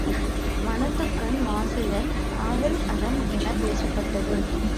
மனத்துக்கண் மாசிலன் ஆதல் அறம் எனப் பேசப்பட்டது.